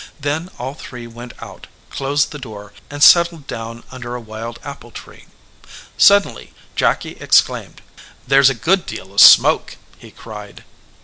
Then all three went out, closed the door, and set tled down under a wild apple tree. Suddenly Jacky exclaimed. "There s a good deal of smoke!" he cried.